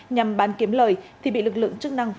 nhằm bán kiếm lời thì bị lực lượng chức năng phát hiện và bắt giữ